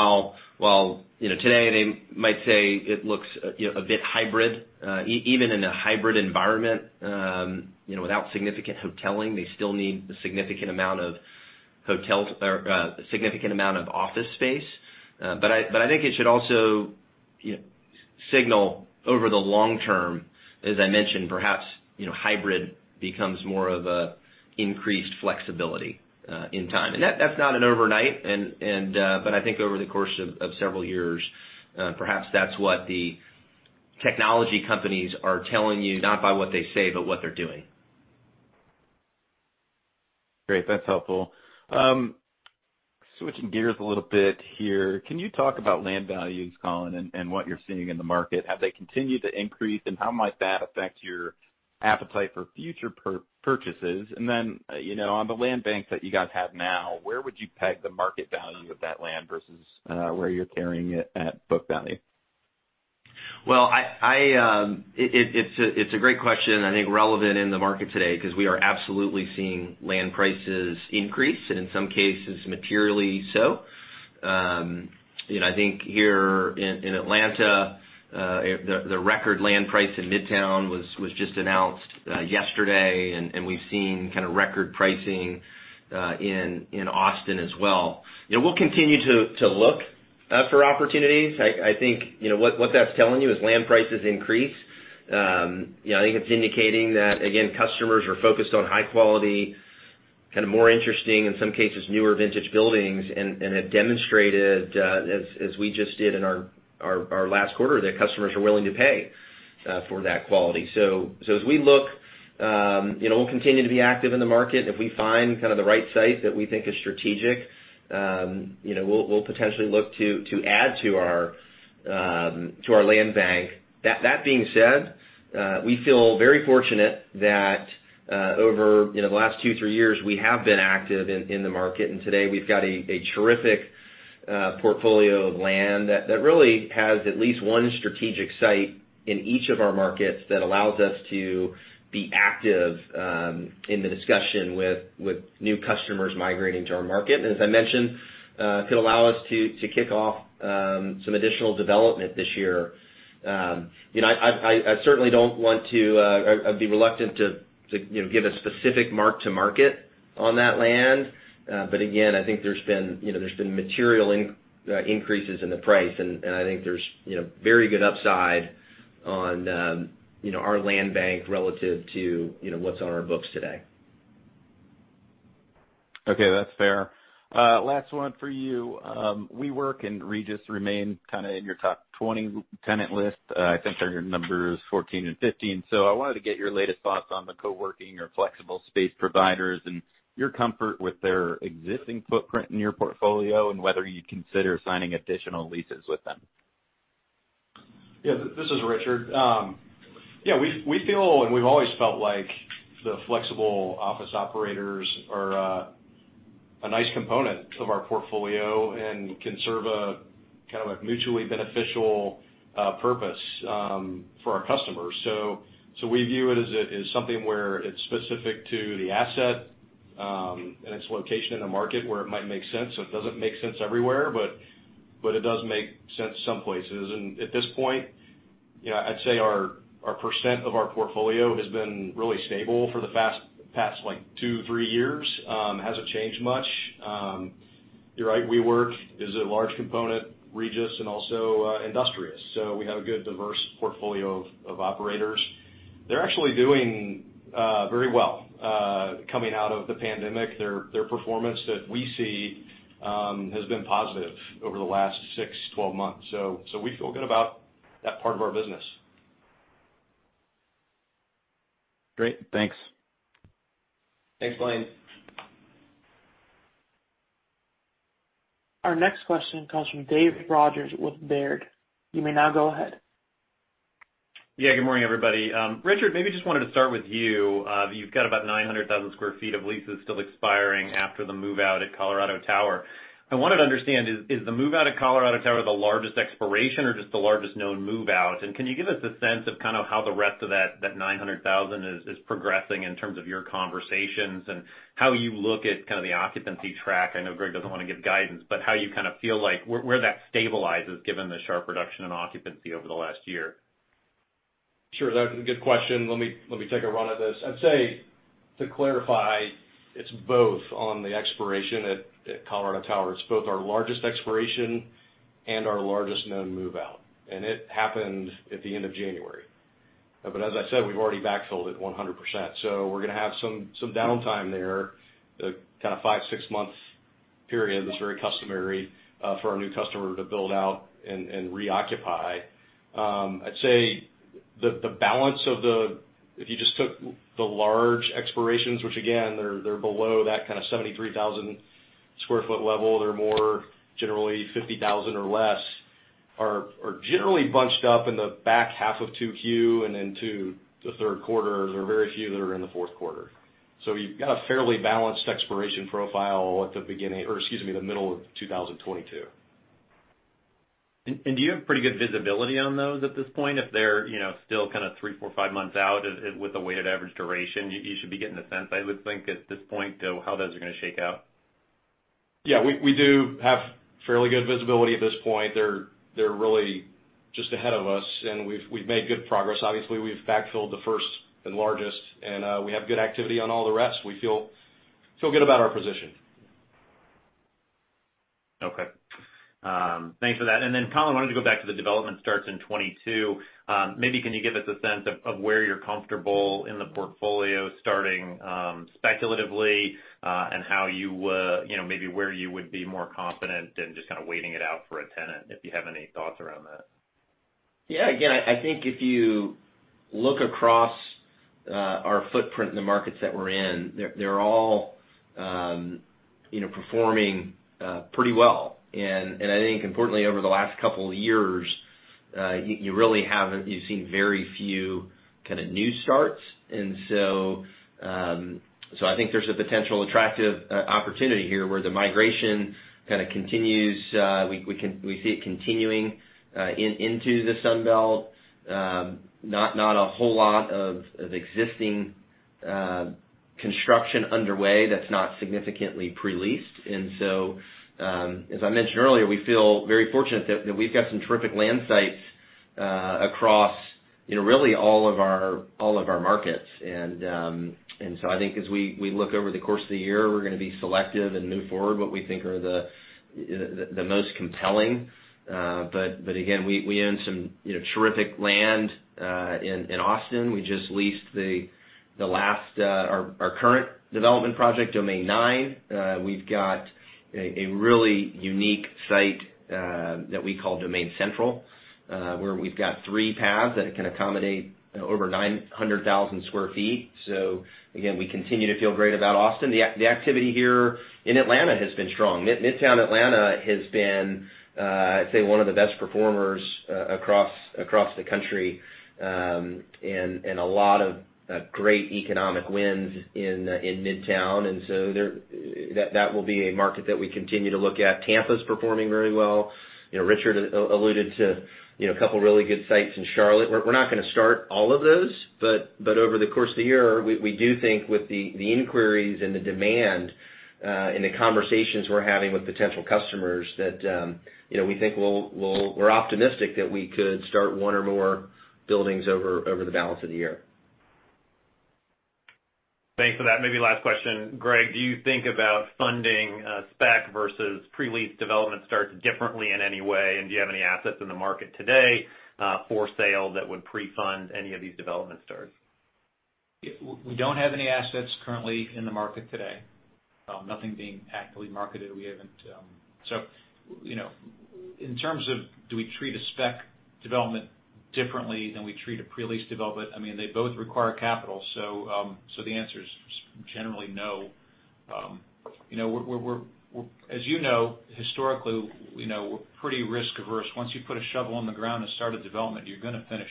while today they might say it looks you know a bit hybrid, even in a hybrid environment you know without significant hoteling, they still need a significant amount of hoteling. I think it should also you know signal over the long term, as I mentioned, perhaps you know hybrid becomes more of a increased flexibility in time. That's not overnight, but I think over the course of several years perhaps that's what the technology companies are telling you, not by what they say, but what they're doing. Great. That's helpful. Switching gears a little bit here. Can you talk about land values, Colin, and what you're seeing in the market? Have they continued to increase, and how might that affect your appetite for future purchases? You know, on the land banks that you guys have now, where would you peg the market value of that land versus where you're carrying it at book value? Well, it's a great question, I think relevant in the market today because we are absolutely seeing land prices increase, and in some cases materially so. You know, I think here in Atlanta, the record land price in Midtown was just announced yesterday, and we've seen kind of record pricing in Austin as well. You know, we'll continue to look for opportunities. I think, you know, what that's telling you as land prices increase, you know, I think it's indicating that, again, customers are focused on high quality, kind of more interesting, in some cases, newer vintage buildings and have demonstrated, as we just did in our last quarter, that customers are willing to pay for that quality. As we look, you know, we'll continue to be active in the market. If we find kind of the right site that we think is strategic, you know, we'll potentially look to add to our land bank. That being said, we feel very fortunate that over, you know, the last two to three years, we have been active in the market. Today we've got a terrific portfolio of land that really has at least one strategic site in each of our markets that allows us to be active in the discussion with new customers migrating to our market. As I mentioned, could allow us to kick off some additional development this year. I certainly don't want to or be reluctant to, you know, give a specific mark to market on that land. But again, I think there's been material increases in the price. I think there's very good upside on our land bank relative to what's on our books today. Okay. That's fair. Last one for you. WeWork and Regus remain kind of in your top 20 tenant list. I think they're your numbers 14 and 15. I wanted to get your latest thoughts on the co-working or flexible space providers and your comfort with their existing footprint in your portfolio and whether you'd consider signing additional leases with them. Yeah, this is Richard. Yeah, we feel, and we've always felt like the flexible office operators are a nice component of our portfolio and can serve a kind of a mutually beneficial purpose for our customers. We view it as something where it's specific to the asset and its location in the market where it might make sense. It doesn't make sense everywhere, but it does make sense some places. At this point, you know, I'd say our percent of our portfolio has been really stable for the past like two, three years. Hasn't changed much. You're right, WeWork is a large component, Regus and also Industrious. We have a good diverse portfolio of operators. They're actually doing very well coming out of the pandemic. Their performance that we see has been positive over the last six, 12 months. We feel good about that part of our business. Great. Thanks. Thanks, Blaine. Our next question comes from Dave Rodgers with Baird. You may now go ahead. Yeah. Good morning, everybody. Richard, maybe just wanted to start with you. You've got about 900,000 sq ft of leases still expiring after the move-out at Colorado Tower. I wanted to understand, is the move-out at Colorado Tower the largest expiration or just the largest known move-out? Can you give us a sense of kind of how the rest of that 900,000 is progressing in terms of your conversations and how you look at kind of the occupancy track? I know Gregg doesn't wanna give guidance. How you kind of feel like where that stabilizes, given the sharp reduction in occupancy over the last year. Sure. That's a good question. Let me take a run at this. I'd say, to clarify, it's both on the expiration at Colorado Towers, both our largest expiration and our largest known move-out. It happened at the end of January. But as I said, we've already backfilled it 100%. We're gonna have some downtime there, the kind of five to six month period that's very customary for a new customer to build out and reoccupy. I'd say the balance of the large expirations, if you just took the large expirations, which again, they're below that kind of 73,000 sq ft level, they're more generally 50,000 or less, are generally bunched up in the back half of 2Q and into the third quarter. There are very few that are in the fourth quarter. We've got a fairly balanced expiration profile at the middle of 2022. Do you have pretty good visibility on those at this point, if they're, you know, still kind of three, four, five months out with a weighted average duration? You should be getting a sense, I would think, at this point, though, how those are gonna shake out. Yeah, we do have fairly good visibility at this point. They're really just ahead of us, and we've made good progress. Obviously, we've backfilled the first and largest, and we have good activity on all the rest. We feel good about our position. Okay. Thanks for that. Colin, I wanted to go back to the development starts in 2022. Maybe can you give us a sense of where you're comfortable in the portfolio starting speculatively and how you know maybe where you would be more confident than just kind of waiting it out for a tenant, if you have any thoughts around that? Yeah. Again, I think if you look across our footprint in the markets that we're in, they're all, you know, performing pretty well. I think importantly, over the last couple of years, you've seen very few kind of new starts. I think there's a potential attractive opportunity here where the migration kind of continues. We see it continuing into the Sun Belt. Not a whole lot of existing construction underway that's not significantly pre-leased. As I mentioned earlier, we feel very fortunate that we've got some terrific land sites across, you know, really all of our markets. I think as we look over the course of the year, we're gonna be selective and move forward what we think are the most compelling. Again, we own some, you know, terrific land in Austin. We just leased the last of our current development project, Domain Nine. We've got a really unique site that we call Domain Central, where we've got three paths that can accommodate over 900,000 sq ft. We continue to feel great about Austin. The activity here in Atlanta has been strong. Midtown Atlanta has been, I'd say, one of the best performers across the country, and a lot of great economic wins in Midtown. That will be a market that we continue to look at. Tampa's performing very well. You know, Richard alluded to, you know, a couple really good sites in Charlotte. We're not gonna start all of those, but over the course of the year, we do think with the inquiries and the demand, and the conversations we're having with potential customers that, you know, we think we're optimistic that we could start one or more buildings over the balance of the year. Thanks for that. Maybe last question. Gregg, do you think about funding, spec versus pre-lease development starts differently in any way? Do you have any assets in the market today, for sale that would pre-fund any of these development starts? We don't have any assets currently in the market today, nothing being actively marketed. You know, in terms of do we treat a spec development differently than we treat a pre-lease development, I mean, they both require capital, so the answer is generally no. You know, as you know, historically, you know, we're pretty risk-averse. Once you put a shovel on the ground and start a development, you're gonna finish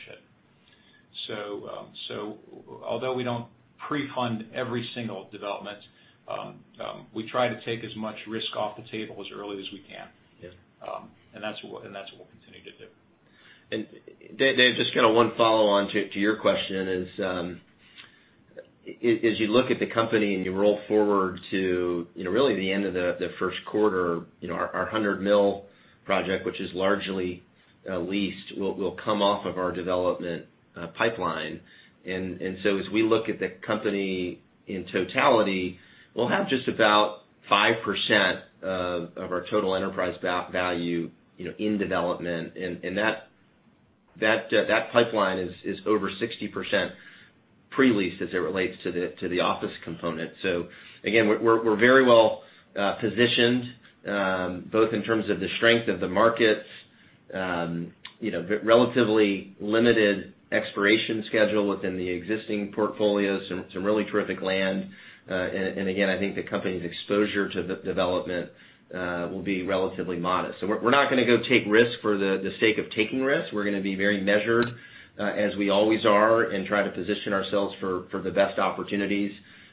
it. Although we don't pre-fund every single development, we try to take as much risk off the table as early as we can. Yeah. That's what we'll continue to do. Dave, just kinda one follow-on to your question is, as you look at the company and you roll forward to, you know, really the end of the first quarter, you know, our 100 Mill project, which is largely leased, will come off of our development pipeline. As we look at the company in totality, we'll have just about 5% of our total enterprise value, you know, in development. That pipeline is over 60% pre-leased as it relates to the office component. Again, we're very well positioned, both in terms of the strength of the markets You know, relatively limited expiration schedule within the existing portfolios and some really terrific land. And again, I think the company's exposure to the development will be relatively modest. We're not gonna go take risks for the sake of taking risks. We're gonna be very measured as we always are, and try to position ourselves for the best opportunities.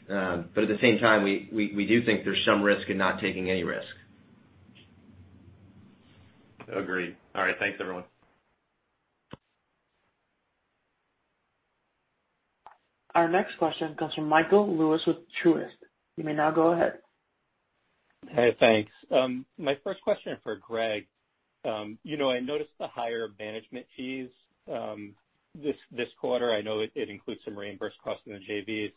At the same time, we do think there's some risk in not taking any risk. Agreed. All right. Thanks, everyone. Our next question comes from Michael Lewis with Truist. You may now go ahead. Hey, thanks. My first question for Gregg. You know, I noticed the higher management fees this quarter. I know it includes some reimbursed costs in the JVs.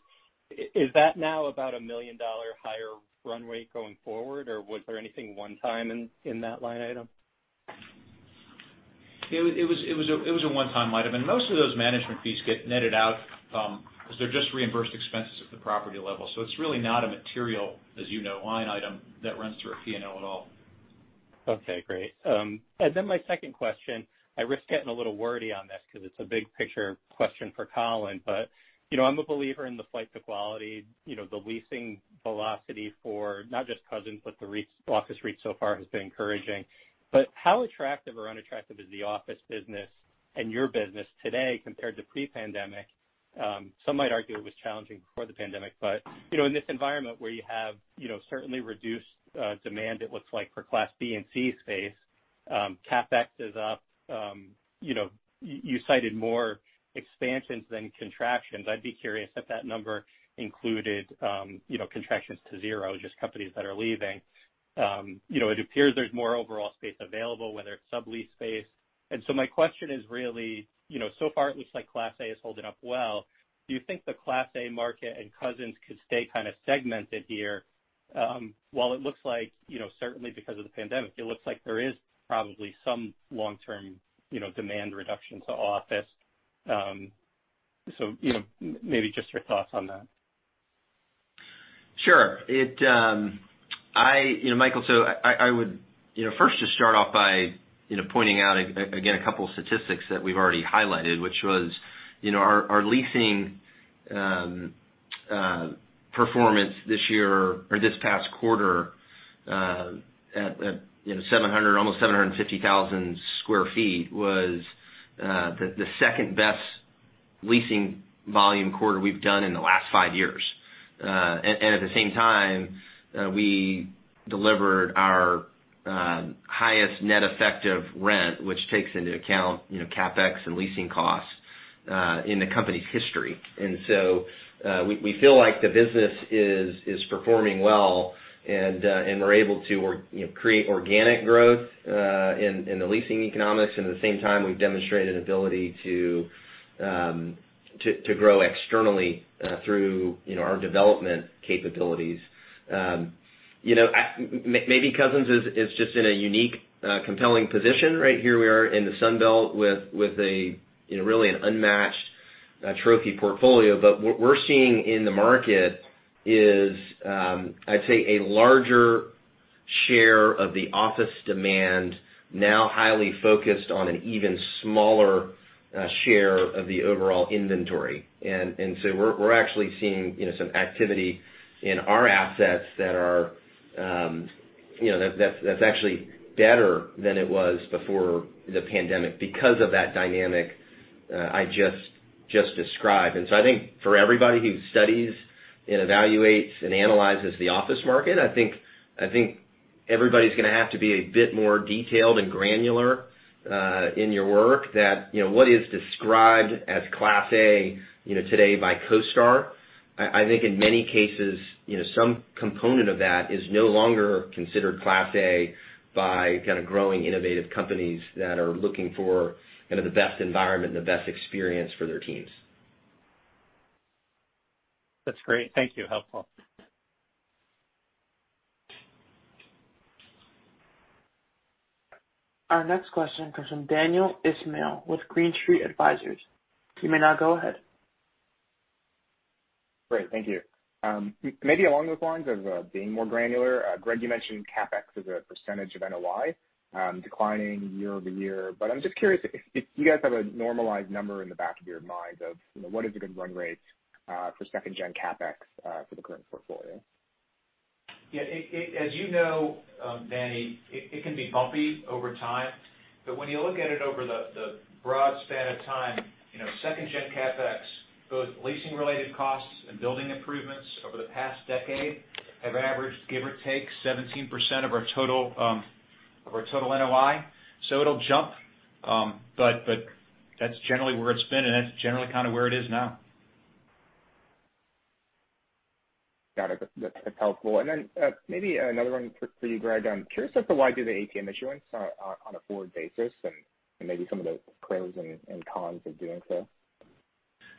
Is that now about a million-dollar higher run rate going forward, or was there anything one-time in that line item? It was a one-time item. Most of those management fees get netted out, 'cause they're just reimbursed expenses at the property level. It's really not a material, as you know, line item that runs through a P&L at all. Okay, great. My second question, I risk getting a little wordy on this 'cause it's a big picture question for Colin, you know, I'm a believer in the flight to quality, you know, the leasing velocity for not just Cousins, but the REITs. Office REITs so far has been encouraging. How attractive or unattractive is the office business and your business today compared to pre-pandemic? Some might argue it was challenging before the pandemic, you know, in this environment where you have, you know, certainly reduced demand, it looks like for Class B and C space, CapEx is up. You know, you cited more expansions than contractions. I'd be curious if that number included, you know, contractions to zero, just companies that are leaving. You know, it appears there's more overall space available, whether it's sublease space. My question is really, you know, so far, it looks like Class A is holding up well. Do you think the Class A market and Cousins could stay kind of segmented here, while it looks like, you know, certainly because of the pandemic, it looks like there is probably some long-term, you know, demand reduction to office. You know, maybe just your thoughts on that. Sure. You know, Michael, I would first just start off by you know, pointing out again a couple statistics that we've already highlighted, which was you know, our leasing performance this year or this past quarter at 700, almost 750,000 sq ft, the second-best leasing volume quarter we've done in the last five years. At the same time, we delivered our highest net effective rent, which takes into account you know, CapEx and leasing costs in the company's history. We feel like the business is performing well, and we're able to you know, create organic growth in the leasing economics. At the same time, we've demonstrated an ability to grow externally through you know, our development capabilities. You know, maybe Cousins is just in a unique compelling position, right? Here we are in the Sun Belt with a you know, really an unmatched trophy portfolio. But what we're seeing in the market is I'd say a larger share of the office demand now highly focused on an even smaller share of the overall inventory. So we're actually seeing you know, some activity in our assets that are you know, that's actually better than it was before the pandemic because of that dynamic I just described. I think for everybody who studies and evaluates and analyzes the office market, I think everybody's gonna have to be a bit more detailed and granular in your work that, you know, what is described as Class A, you know, today by CoStar. I think in many cases, you know, some component of that is no longer considered Class A by kind of growing innovative companies that are looking for kind of the best environment and the best experience for their teams. That's great. Thank you. Helpful. Our next question comes from Daniel Ismail with Green Street Advisors. You may now go ahead. Great. Thank you. Maybe along those lines of being more granular, Gregg, you mentioned CapEx as a percentage of NOI declining year-over-year, but I'm just curious if you guys have a normalized number in the back of your mind of, you know, what is a good run rate for second gen CapEx for the current portfolio? Yeah, as you know, Danny, it can be bumpy over time, but when you look at it over the broad span of time, you know, second gen CapEx, both leasing-related costs and building improvements over the past decade have averaged, give or take, 17% of our total NOI. So it'll jump, but that's generally where it's been, and that's generally kind of where it is now. Got it. That's helpful. Maybe another one for you, Gregg. I'm curious as to why you did the ATM issuance on a forward basis and maybe some of the pros and cons of doing so.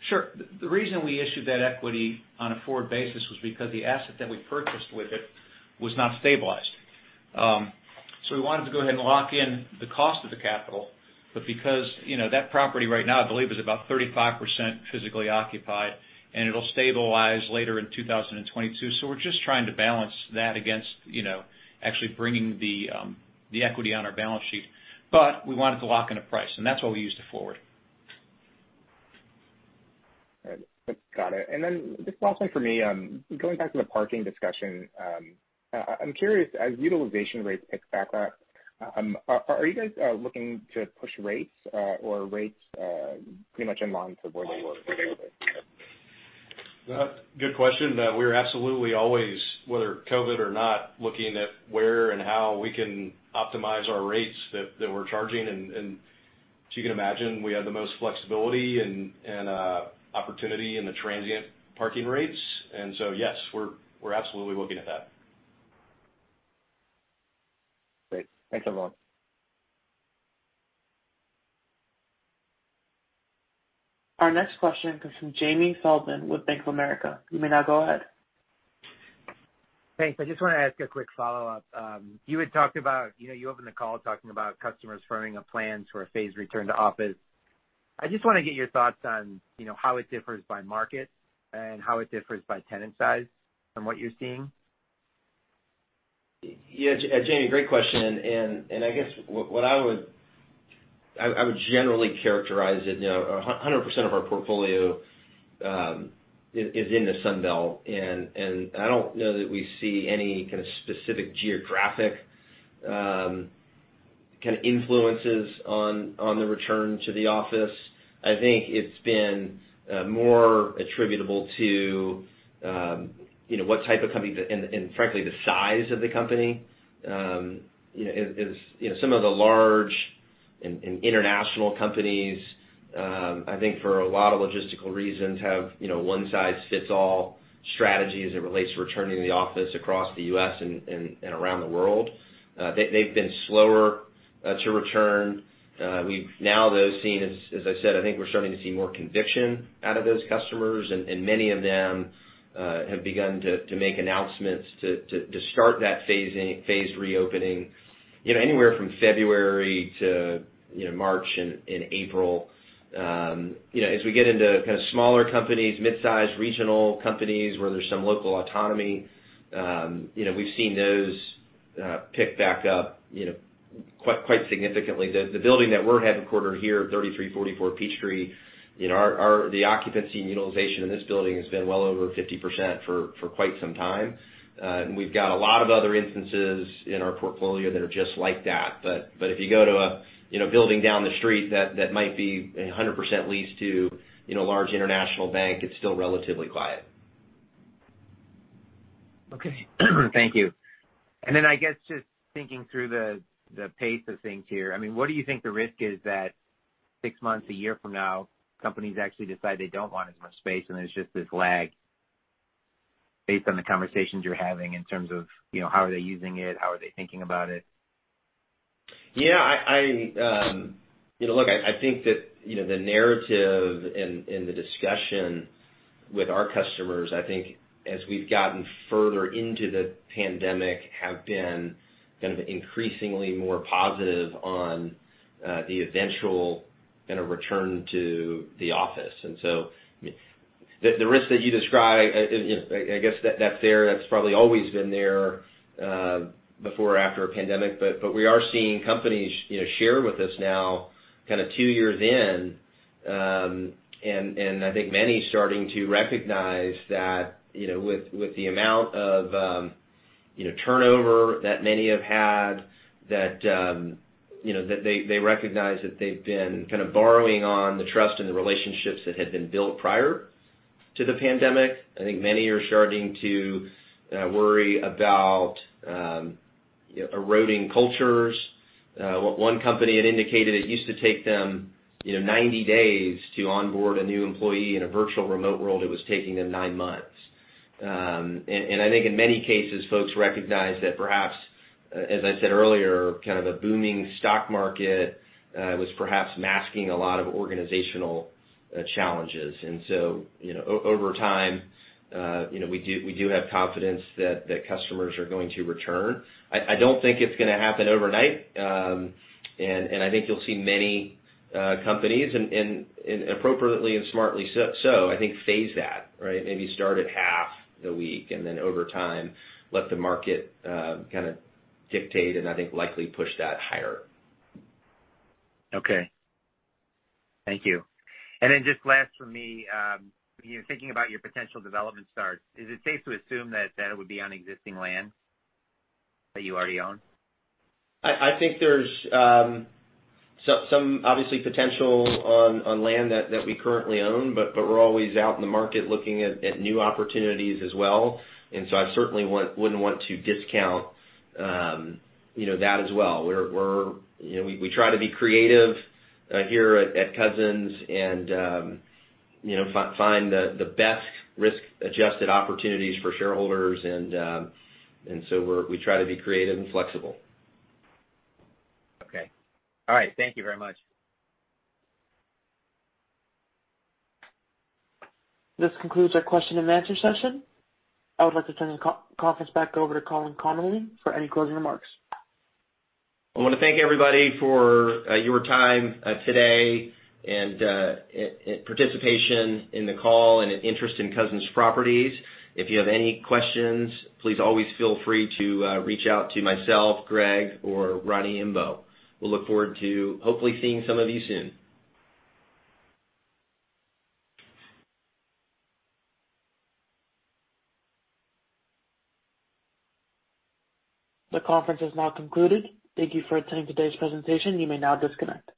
Sure. The reason we issued that equity on a forward basis was because the asset that we purchased with it was not stabilized. We wanted to go ahead and lock in the cost of the capital. Because, you know, that property right now, I believe, is about 35% physically occupied, and it'll stabilize later in 2022. We're just trying to balance that against, you know, actually bringing the equity on our balance sheet. We wanted to lock in a price, and that's why we used a forward. All right. Got it. Just one thing for me. Going back to the parking discussion, I'm curious, as utilization rates pick back up, are you guys looking to push rates or rates pretty much in line with where they were pre-COVID? Good question. We're absolutely always, whether COVID or not, looking at where and how we can optimize our rates that we're charging. As you can imagine, we have the most flexibility and opportunity in the transient parking rates. Yes, we're absolutely looking at that. Great. Thanks a lot. Our next question comes from Jamie Feldman with Bank of America. You may now go ahead. Thanks. I just wanna ask a quick follow-up. You had talked about, you know, you opened the call talking about customers firming up plans for a phased return to office. I just wanna get your thoughts on, you know, how it differs by market and how it differs by tenant size from what you're seeing. Yeah, Jamie, great question. I guess what I would generally characterize it, you know, 100% of our portfolio is in the Sun Belt. I don't know that we see any kind of specific geographic kind of influences on the return to the office. I think it's been more attributable to, you know, what type of company and frankly, the size of the company. You know, some of the large and international companies, I think for a lot of logistical reasons, have, you know, one-size-fits-all strategy as it relates to returning to the office across the U.S. and around the world. They've been slower to return. We've now, though, seen, as I said, I think we're starting to see more conviction out of those customers, and many of them have begun to make announcements to start that phased reopening, you know, anywhere from February to March and April. You know, as we get into kind of smaller companies, mid-sized regional companies where there's some local autonomy, you know, we've seen those pick back up, you know, quite significantly. The building that we're headquartered here at 3340 Peachtree, you know, the occupancy and utilization in this building has been well over 50% for quite some time. We've got a lot of other instances in our portfolio that are just like that. If you go to a, you know, building down the street that might be 100% leased to, you know, a large international bank, it's still relatively quiet. Okay. Thank you. I guess just thinking through the pace of things here. I mean, what do you think the risk is that six months, a year from now, companies actually decide they don't want as much space and there's just this lag based on the conversations you're having in terms of, you know, how are they using it? How are they thinking about it? Yeah, you know, look, I think that, you know, the narrative and the discussion with our customers, I think, as we've gotten further into the pandemic, have been kind of increasingly more positive on the eventual kind of return to the office. The risk that you describe, you know, I guess that's there. That's probably always been there before or after a pandemic. We are seeing companies, you know, share with us now kind of two years in, and I think many starting to recognize that, you know, with the amount of, you know, turnover that many have had, that, you know, that they recognize that they've been kind of borrowing on the trust and the relationships that had been built prior to the pandemic. I think many are starting to worry about eroding cultures. One company had indicated it used to take them, you know, 90 days to onboard a new employee. In a virtual remote world, it was taking them 9 months. I think in many cases, folks recognize that perhaps, as I said earlier, kind of the booming stock market was perhaps masking a lot of organizational challenges. You know, over time, you know, we do have confidence that customers are going to return. I don't think it's gonna happen overnight. I think you'll see many companies, and appropriately and smartly so, I think phase that, right? Maybe start at half a week, and then over time, let the market, kind of dictate and I think likely push that higher. Okay. Thank you. Just last for me, you know, thinking about your potential development starts, is it safe to assume that would be on existing land that you already own? I think there's some obvious potential on land that we currently own, but we're always out in the market looking at new opportunities as well. I certainly wouldn't want to discount you know that as well. You know, we try to be creative here at Cousins and you know find the best risk-adjusted opportunities for shareholders. We try to be creative and flexible. Okay. All right. Thank you very much. This concludes our question and answer session. I would like to turn the conference back over to Colin Connolly for any closing remarks. I wanna thank everybody for your time today and participation in the call and an interest in Cousins Properties. If you have any questions, please always feel free to reach out to myself, Greg, or Roni Imbo. We'll look forward to hopefully seeing some of you soon. The conference is now concluded. Thank you for attending today's presentation. You may now disconnect.